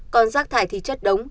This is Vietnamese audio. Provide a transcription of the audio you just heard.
còn rác thải thì chất đống